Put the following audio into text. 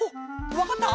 わかった？